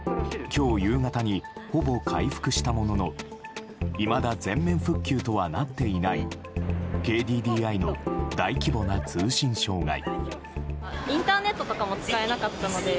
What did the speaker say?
今日夕方にほぼ回復したもののいまだ全面復旧とはなっていないＫＤＤＩの大規模な通信障害。